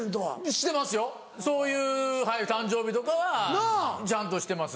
してますよそういう誕生日とかはちゃんとしてますよ。